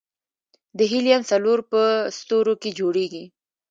د هیلیم څلور په ستورو کې جوړېږي.